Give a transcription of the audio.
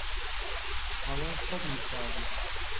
ئەڵێم سەد مخابن